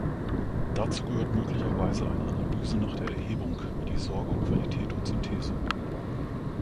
Dazu gehört möglicherweise eine Analyse nach der Erhebung, wie die Sorge um Qualität oder Synthese.